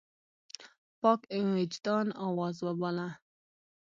پاک وجدان آواز وباله.